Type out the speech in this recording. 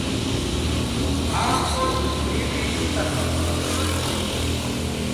Ambochaw Negritotami tushuntsik.